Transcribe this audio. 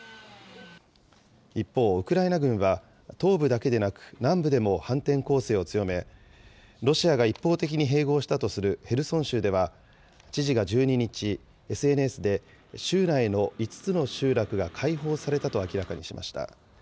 一方、ウクライナ軍は、東部だけでなく、南部でも反転攻勢を強め、ロシアが一方的に併合したとするヘルソン州では、知事が１２日、ＳＮＳで、州内の５つの集落が解放されたと明らかにしました。